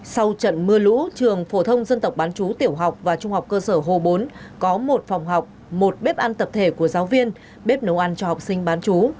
sau trận mưa lũ trường phổ thông dân tộc bán chú tiểu học và trung học cơ sở hồ bốn có một phòng học một bếp ăn tập thể của giáo viên bếp nấu ăn cho học sinh bán chú